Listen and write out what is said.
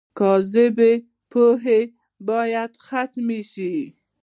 کاذبې پوهې باید ختمې شي.